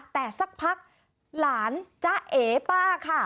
แต่สักพักหลานจ๊ะเอ๋ป้าค่ะ